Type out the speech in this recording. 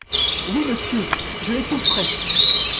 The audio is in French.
Oui, Monsieur, je l’étoufferais !…